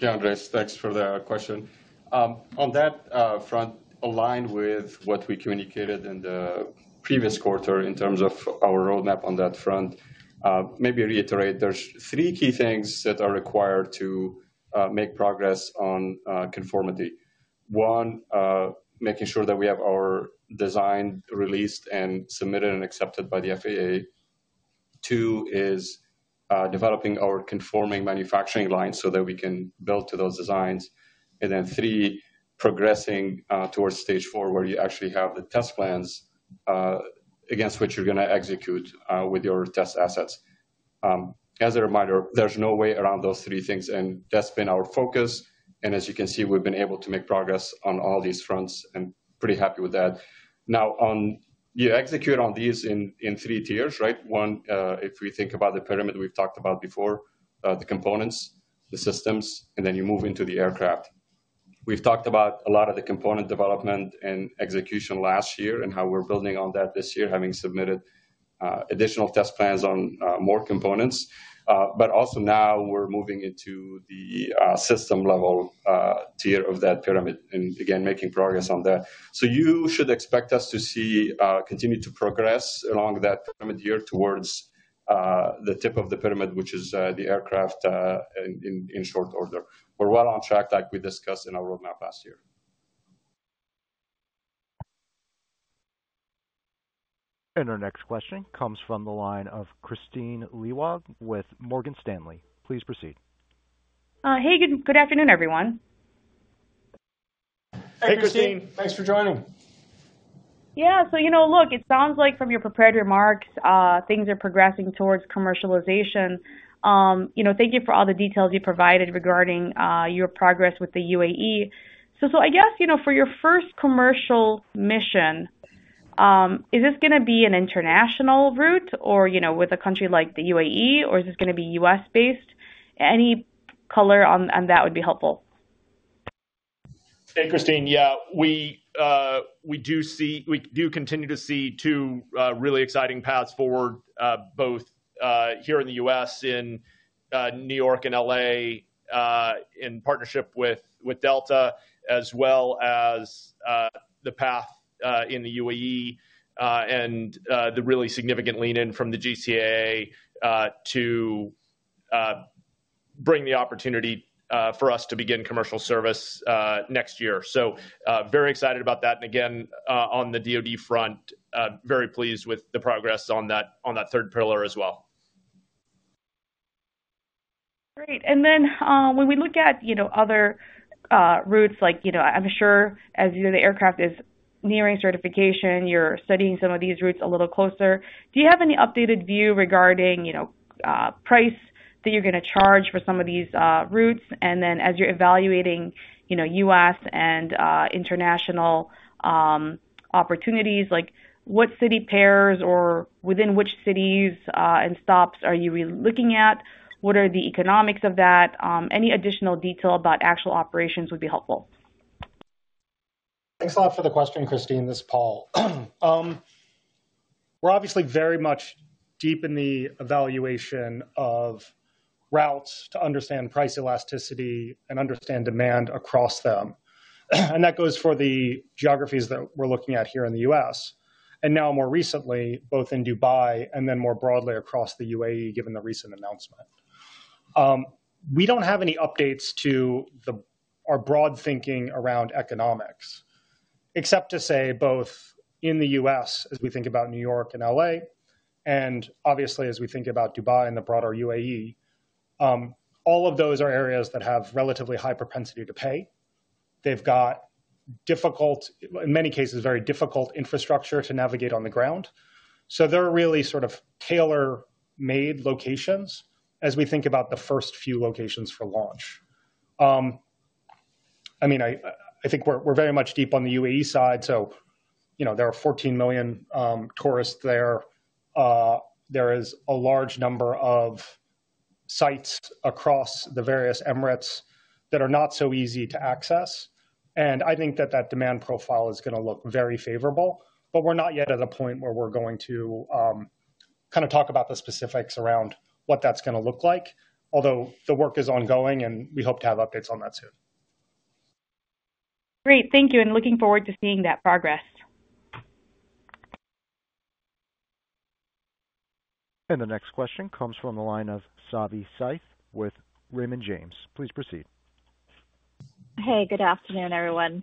Speaker 4: Yeah, Andres, thanks for the question. On that front, aligned with what we communicated in the previous quarter in terms of our roadmap on that front, maybe reiterate, there's three key things that are required to make progress on conformity. One, making sure that we have our design released and submitted and accepted by the FAA. Two, is developing our conforming manufacturing line so that we can build to those designs. And then three, progressing towards Stage Four, where you actually have the test plans against which you're gonna execute with your test assets. As a reminder, there's no way around those three things, and that's been our focus. And as you can see, we've been able to make progress on all these fronts, and pretty happy with that. Now, on... You execute on these in three tiers, right? One, if we think about the pyramid we've talked about before, the components, the systems, and then you move into the aircraft. We've talked about a lot of the component development and execution last year, and how we're building on that this year, having submitted additional test plans on more components. But also now we're moving into the system-level tier of that pyramid, and again, making progress on that. So you should expect us to see continue to progress along that pyramid here towards the tip of the pyramid, which is the aircraft in short order. We're well on track, like we discussed in our roadmap last year.
Speaker 1: Our next question comes from the line of Kristine Liwag with Morgan Stanley. Please proceed.
Speaker 8: Hey, good afternoon, everyone.
Speaker 3: Hey, Kristine. Thanks for joining.
Speaker 8: Yeah. So, you know, look, it sounds like from your prepared remarks, things are progressing towards commercialization. You know, thank you for all the details you provided regarding your progress with the UAE. I guess, you know, for your first commercial mission, is this gonna be an international route or, you know, with a country like the UAE, or is this gonna be U.S.-based? Any color on that would be helpful.
Speaker 3: Hey, Kristine. Yeah, we do continue to see two really exciting paths forward, both here in the U.S., in New York and L.A., in partnership with Delta, as well as the path in the UAE, and the really significant lean in from the GCAA, to bring the opportunity for us to begin commercial service next year. So, very excited about that. And again, on the DOD front, very pleased with the progress on that, on that third pillar as well.
Speaker 8: Great. And then, when we look at, you know, other routes, like, you know, I'm sure as you know, the aircraft is nearing certification, you're studying some of these routes a little closer. Do you have any updated view regarding, you know, price that you're gonna charge for some of these routes? And then as you're evaluating, you know, U.S. and international opportunities, like what city pairs or within which cities and stops are you looking at? What are the economics of that? Any additional detail about actual operations would be helpful.
Speaker 9: Thanks a lot for the question, Kristine. This is Paul. We're obviously very much deep in the evaluation of routes to understand price elasticity and understand demand across them. And that goes for the geographies that we're looking at here in the U.S., and now more recently, both in Dubai and then more broadly across the UAE, given the recent announcement. We don't have any updates to our broad thinking around economics, except to say both in the U.S., as we think about New York and L.A., and obviously, as we think about Dubai and the broader UAE, all of those are areas that have relatively high propensity to pay. They've got difficult, in many cases, very difficult infrastructure to navigate on the ground. So they're really sort of tailor-made locations as we think about the first few locations for launch. I mean, I think we're, we're very much deep on the UAE side, so, you know, there are 14 million tourists there. There is a large number of sites across the various emirates that are not so easy to access, and I think that that demand profile is gonna look very favorable. But we're not yet at a point where we're going to kind of talk about the specifics around what that's gonna look like, although the work is ongoing, and we hope to have updates on that soon.
Speaker 8: Great. Thank you, and looking forward to seeing that progress.
Speaker 1: The next question comes from the line of Savi Syth with Raymond James. Please proceed.
Speaker 10: Hey, good afternoon, everyone....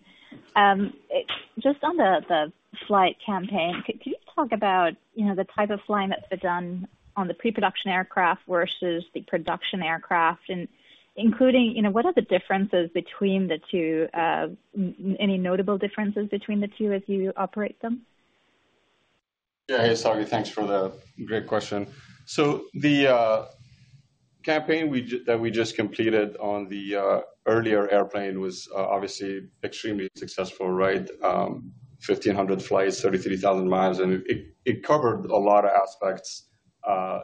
Speaker 10: Just on the flight campaign, can you talk about, you know, the type of flying that's been done on the pre-production aircraft versus the production aircraft, and including, you know, what are the differences between the two? Any notable differences between the two as you operate them?
Speaker 4: Yeah. Hey, sorry, thanks for the great question. So the campaign that we just completed on the earlier airplane was obviously extremely successful, right? 1,500 flights, 33,000 mi, and it covered a lot of aspects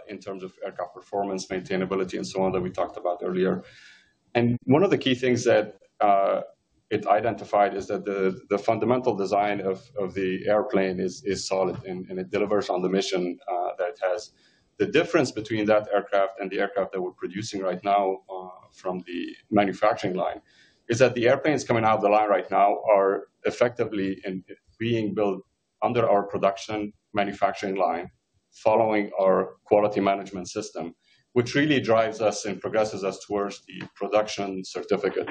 Speaker 4: in terms of aircraft performance, maintainability, and so on, that we talked about earlier. And one of the key things that it identified is that the fundamental design of the airplane is solid and it delivers on the mission that it has. The difference between that aircraft and the aircraft that we're producing right now from the manufacturing line is that the airplanes coming out of the line right now are effectively and being built under our production manufacturing line, following our quality management system, which really drives us and progresses us towards the Production Certificate,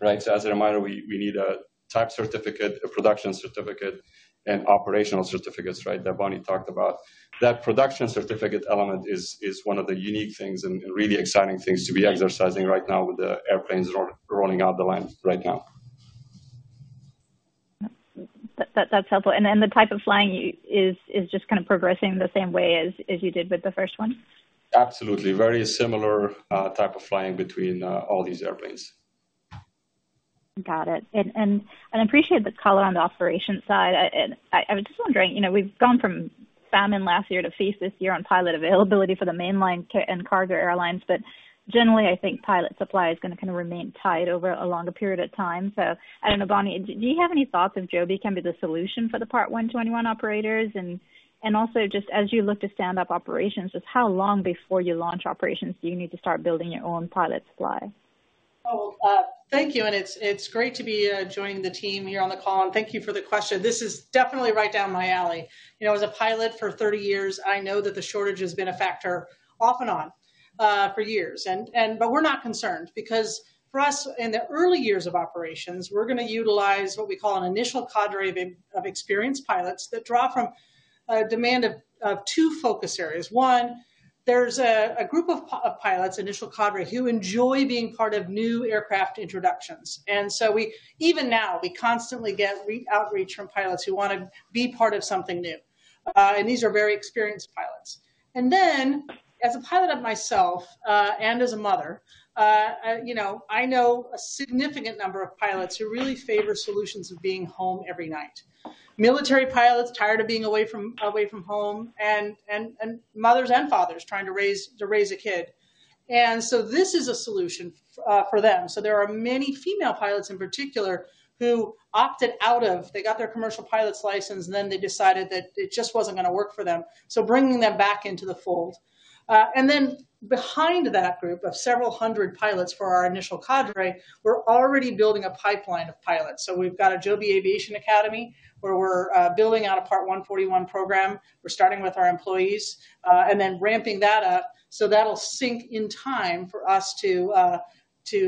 Speaker 4: right? So, as a reminder, we need a Type Certificate, a Production Certificate, and Operational Certificates, right? That Bonny talked about. That Production Certificate element is one of the unique things and really exciting things to be exercising right now with the airplanes rolling out the line right now.
Speaker 10: That, that's helpful. And the type of flying you is just kind of progressing the same way as you did with the first one?
Speaker 4: Absolutely. Very similar type of flying between all these airplanes.
Speaker 10: Got it. And I appreciate the color on the operation side. I was just wondering, you know, we've gone from famine last year to feast this year on pilot availability for the mainline cargo airlines, but generally, I think pilot supply is going to kind of remain tight over a longer period of time. So I don't know. Bonny, do you have any thoughts if Joby can be the solution for the Part 121 operators? And also, just as you look to stand up operations, just how long before you launch operations do you need to start building your own pilot supply?
Speaker 5: Oh, thank you, and it's great to be joining the team here on the call, and thank you for the question. This is definitely right down my alley. You know, as a pilot for 30 years, I know that the shortage has been a factor off and on for years. But we're not concerned because for us, in the early years of operations, we're going to utilize what we call an initial cadre of experienced pilots that draw from a demand of two focus areas. One, there's a group of pilots, initial cadre, who enjoy being part of new aircraft introductions. And so even now, we constantly get outreach from pilots who want to be part of something new. And these are very experienced pilots. As a pilot myself, and as a mother, you know, I know a significant number of pilots who really favor solutions of being home every night. Military pilots tired of being away from home and mothers and fathers trying to raise a kid. So this is a solution for them. So there are many female pilots in particular who opted out of... They got their commercial pilot's license, and then they decided that it just wasn't going to work for them. So bringing them back into the fold. Then behind that group of several hundred pilots for our initial cadre, we're already building a pipeline of pilots. So we've got a Joby Aviation Academy, where we're building out a Part 141 program. We're starting with our employees, and then ramping that up. So that'll sink in time for us to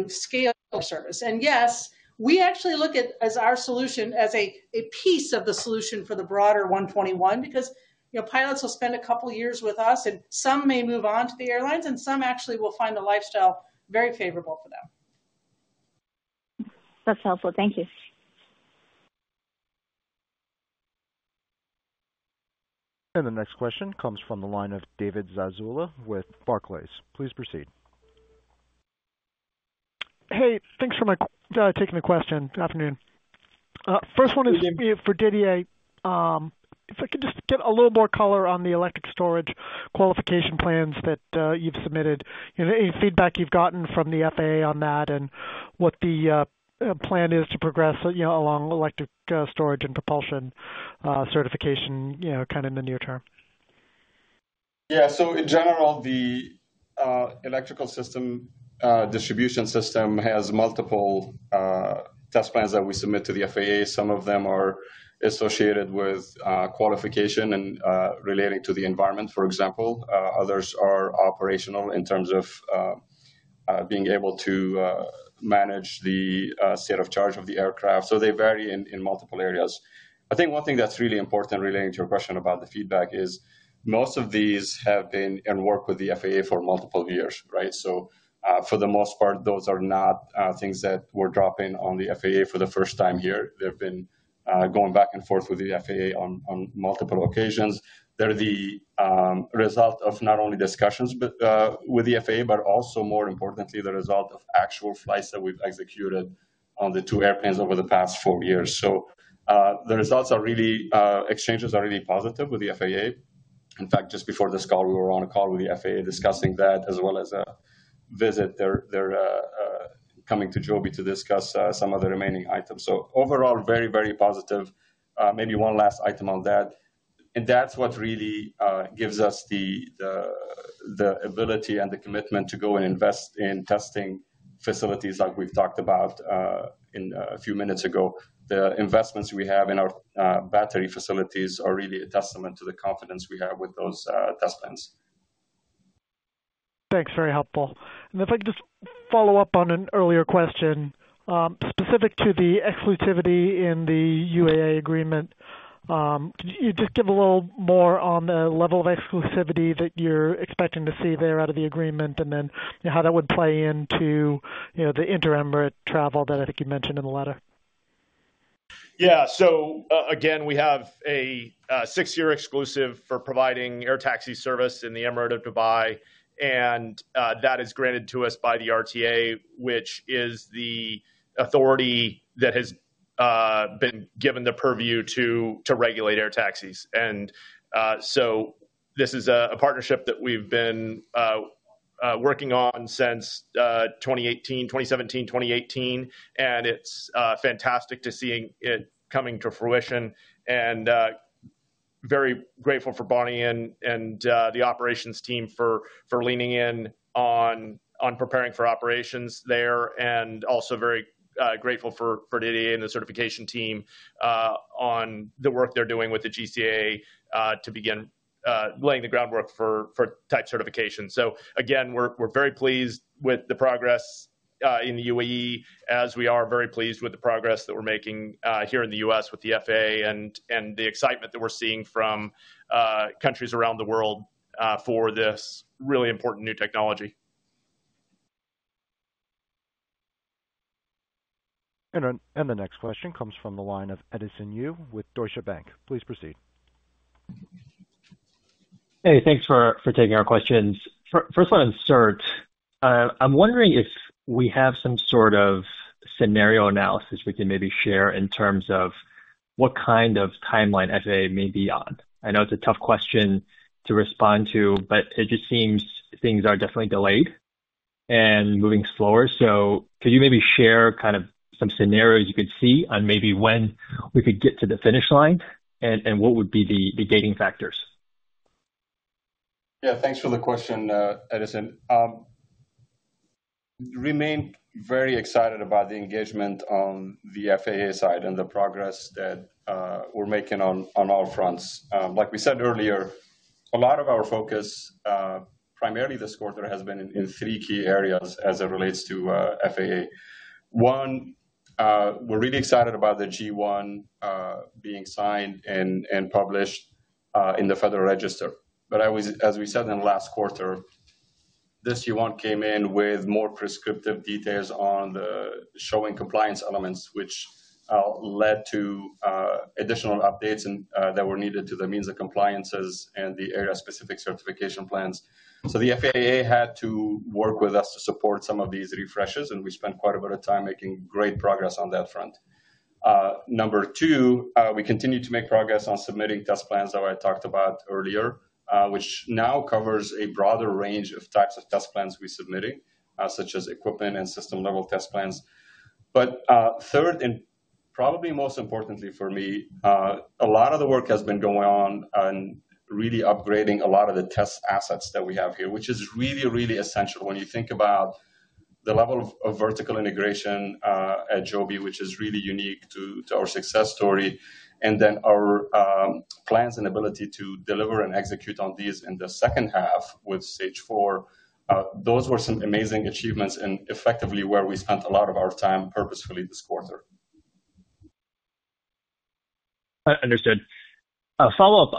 Speaker 5: scale up service. And yes, we actually look at as our solution, as a piece of the solution for the broader 121, because, you know, pilots will spend a couple of years with us, and some may move on to the airlines, and some actually will find the lifestyle very favorable for them.
Speaker 10: That's helpful. Thank you.
Speaker 1: The next question comes from the line of David Zazula with Barclays. Please proceed.
Speaker 11: Hey, thanks for my, taking the question. Good afternoon. First one is-
Speaker 4: Good evening.
Speaker 11: For Didier. If I could just get a little more color on the electric storage qualification plans that you've submitted. Any feedback you've gotten from the FAA on that, and what the plan is to progress, you know, along electric storage and propulsion certification, you know, kind of in the near term?
Speaker 4: Yeah. So in general, the electrical system distribution system has multiple test plans that we submit to the FAA. Some of them are associated with qualification and relating to the environment, for example. Others are operational in terms of being able to manage the state of charge of the aircraft. So they vary in multiple areas. I think one thing that's really important, relating to your question about the feedback, is most of these have been in work with the FAA for multiple years, right? So, for the most part, those are not things that we're dropping on the FAA for the first time here. They've been going back and forth with the FAA on multiple occasions. They're the result of not only discussions, but with the FAA, but also, more importantly, the result of actual flights that we've executed on the two airplanes over the past four years. So, the results are really, exchanges are really positive with the FAA. In fact, just before this call, we were on a call with the FAA discussing that as well as a visit. They're coming to Joby to discuss some of the remaining items. So overall, very, very positive. Maybe one last item on that. And that's what really gives us the ability and the commitment to go and invest in testing facilities like we've talked about in a few minutes ago. The investments we have in our battery facilities are really a testament to the confidence we have with those test plans. ...
Speaker 11: Thanks, very helpful. And if I could just follow up on an earlier question, specific to the exclusivity in the UAE agreement. Could you just give a little more on the level of exclusivity that you're expecting to see there out of the agreement, and then, you know, how that would play into, you know, the inter-emirate travel that I think you mentioned in the letter?
Speaker 3: Yeah. So, again, we have a six-year exclusive for providing air taxi service in the Emirate of Dubai, and that is granted to us by the RTA, which is the authority that has been given the purview to regulate air taxis. So this is a partnership that we've been working on since 2018, 2017, 2018, and it's fantastic to seeing it coming to fruition. And very grateful for Bonny and the operations team for leaning in on preparing for operations there, and also very grateful for Didier and the certification team on the work they're doing with the GCAA to begin laying the groundwork for type certification. So again, we're very pleased with the progress in the UAE, as we are very pleased with the progress that we're making here in the US with the FAA and the excitement that we're seeing from countries around the world for this really important new technology.
Speaker 1: And then the next question comes from the line of Edison Yu with Deutsche Bank. Please proceed.
Speaker 12: Hey, thanks for taking our questions. First one on cert. I'm wondering if we have some sort of scenario analysis we can maybe share in terms of what kind of timeline FAA may be on. I know it's a tough question to respond to, but it just seems things are definitely delayed and moving slower. So could you maybe share kind of some scenarios you could see on maybe when we could get to the finish line, and what would be the gating factors?
Speaker 4: Yeah, thanks for the question, Edison. Remain very excited about the engagement on the FAA side and the progress that we're making on all fronts. Like we said earlier, a lot of our focus, primarily this quarter, has been in three key areas as it relates to FAA. One, we're really excited about the G-one being signed and published in the Federal Register. But as we said in last quarter, this G-1 came in with more prescriptive details on the showing compliance elements, which led to additional updates and that were needed to the means of compliances and the area-specific certification plans. So the FAA had to work with us to support some of these refreshes, and we spent quite a bit of time making great progress on that front. Number two, we continued to make progress on submitting test plans that I talked about earlier, which now covers a broader range of types of test plans we're submitting, such as equipment and system-level test plans. But, third, and probably most importantly for me, a lot of the work has been going on on really upgrading a lot of the test assets that we have here, which is really, really essential when you think about the level of, of vertical integration, at Joby, which is really unique to, to our success story, and then our, plans and ability to deliver and execute on these in the second half with Stage Four. Those were some amazing achievements and effectively where we spent a lot of our time purposefully this quarter.
Speaker 12: Understood. Follow-up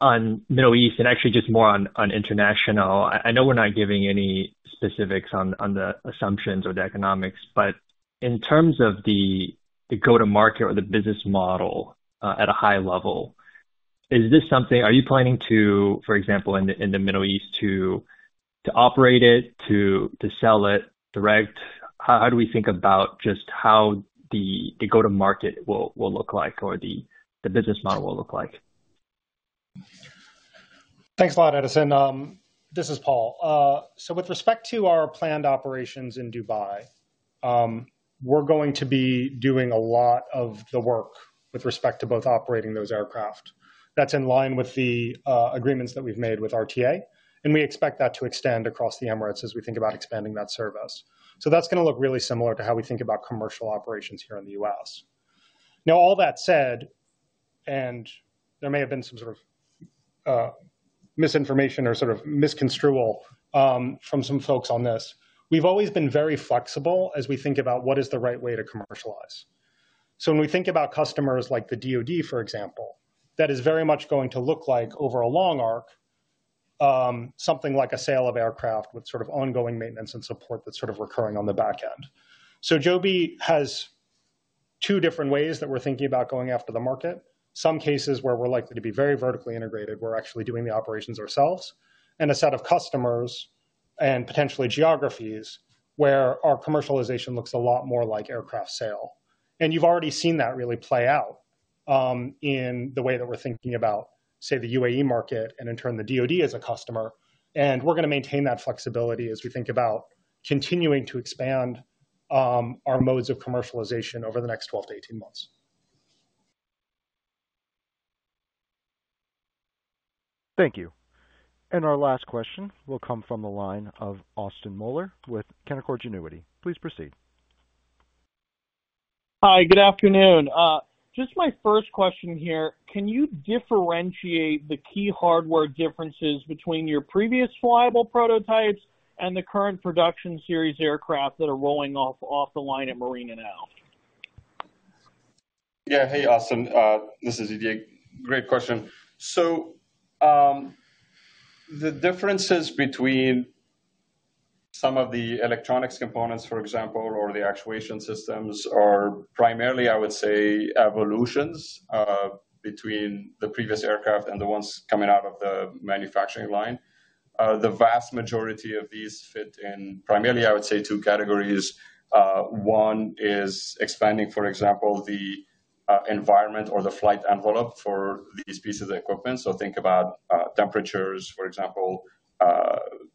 Speaker 12: on Middle East and actually just more on international. I know we're not giving any specifics on the assumptions or the economics, but in terms of the go-to-market or the business model, at a high level, is this something, are you planning to, for example, in the Middle East, to operate it, to sell it direct? How do we think about just how the go-to-market will look like or the business model will look like?
Speaker 9: Thanks a lot, Edison. This is Paul. So with respect to our planned operations in Dubai, we're going to be doing a lot of the work with respect to both operating those aircraft. That's in line with the agreements that we've made with RTA, and we expect that to extend across the Emirates as we think about expanding that service. So that's gonna look really similar to how we think about commercial operations here in the U.S. Now, all that said, and there may have been some sort of misinformation or sort of mis construal from some folks on this, we've always been very flexible as we think about what is the right way to commercialize. So when we think about customers like the DoD, for example, that is very much going to look like over a long arc, something like a sale of aircraft with sort of ongoing maintenance and support that's sort of recurring on the back end. So Joby has two different ways that we're thinking about going after the market. Some cases where we're likely to be very vertically integrated, we're actually doing the operations ourselves, and a set of customers and potentially geographies, where our commercialization looks a lot more like aircraft sale. And you've already seen that really play out, in the way that we're thinking about, say, the UAE market and in turn, the DoD as a customer. And we're gonna maintain that flexibility as we think about continuing to expand, our modes of commercialization over the next 12-18 months.
Speaker 1: Thank you. Our last question will come from the line of Austin Moeller with Canaccord Genuity. Please proceed.
Speaker 13: Hi, good afternoon. Just my first question here, can you differentiate the key hardware differences between your previous flyable prototypes and the current production series aircraft that are rolling off the line at Marina now?
Speaker 4: Yeah. Hey, Austin. This is Didier. Great question. So, the differences between some of the electronics components, for example, or the actuation systems, are primarily, I would say, evolutions between the previous aircraft and the ones coming out of the manufacturing line. The vast majority of these fit in primarily, I would say, two categories. One is expanding, for example, the environment or the flight envelope for these pieces of equipment. So think about temperatures, for example,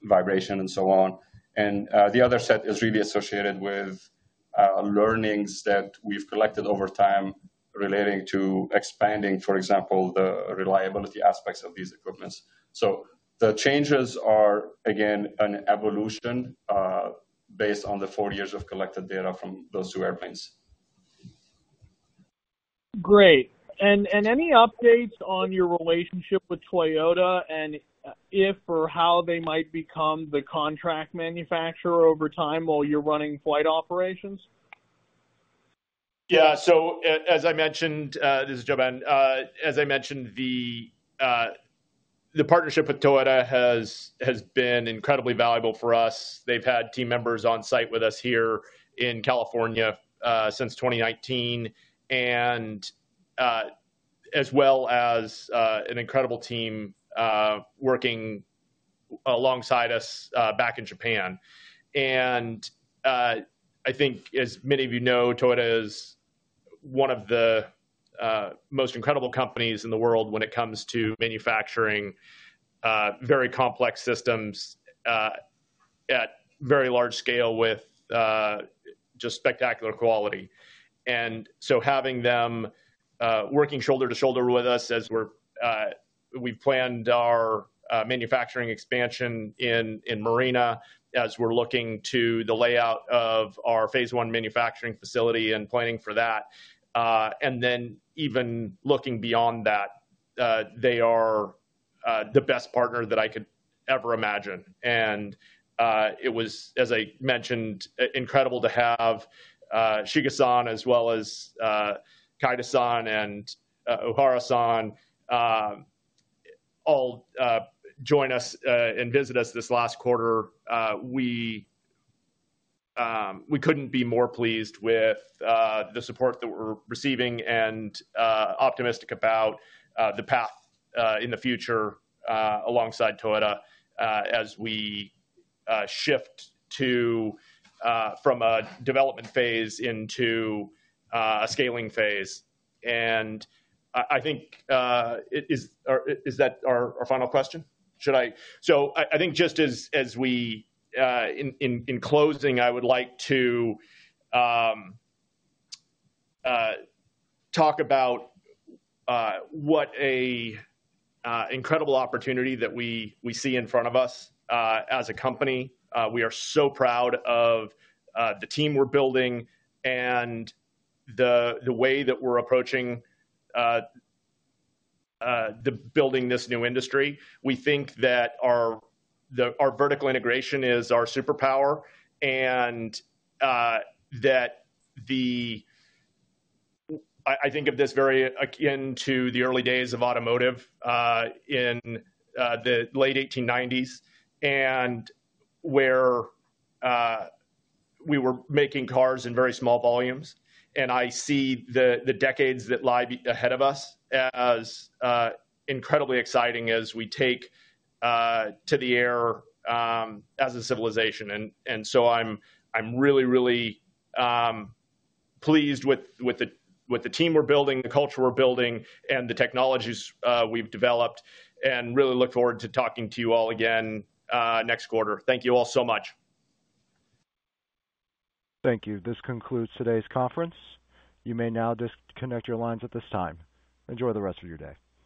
Speaker 4: vibration, and so on. And the other set is really associated with learnings that we've collected over time relating to expanding, for example, the reliability aspects of these equipment's. So the changes are, again, an evolution based on the four years of collected data from those two airplanes.
Speaker 13: Great. Any updates on your relationship with Toyota, and if or how they might become the contract manufacturer over time while you're running flight operations?
Speaker 3: Yeah. So as I mentioned, this is Joby. As I mentioned, the partnership with Toyota has been incredibly valuable for us. They've had team members on site with us here in California since 2019, and as well as an incredible team working alongside us back in Japan. And I think as many of you know, Toyota is one of the most incredible companies in the world when it comes to manufacturing very complex systems at very large scale with just spectacular quality. And so having them working shoulder to shoulder with us as we've planned our manufacturing expansion in Marina, as we're looking to the layout of our phase one manufacturing facility and planning for that, and then even looking beyond that, they are the best partner that I could ever imagine. And it was, as I mentioned, incredible to have Shiga-san, as well as Kaida-san, and Uehara-san all join us and visit us this last quarter. We couldn't be more pleased with the support that we're receiving and optimistic about the path in the future alongside Toyota as we shift to from a development phase into a scaling phase. And I think or is that our final question? I think just as we in closing, I would like to talk about what a incredible opportunity that we see in front of us, as a company. We are so proud of the team we're building and the way that we're approaching the building this new industry. We think that our vertical integration is our superpower, and that the... I think of this very akin to the early days of automotive, in the late 1890s, and where we were making cars in very small volumes. And I see the decades that lie ahead of us as incredibly exciting as we take to the air, as a civilization. So I'm really pleased with the team we're building, the culture we're building, and the technologies we've developed, and really look forward to talking to you all again next quarter. Thank you all so much.
Speaker 1: Thank you. This concludes today's conference. You may now disconnect your lines at this time. Enjoy the rest of your day.